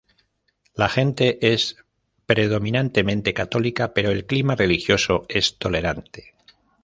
La gente es predominantemente católica pero el clima religioso es tolerante.